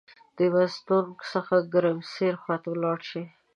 د مستونګ څخه د ګرمسیر خواته ولاړ.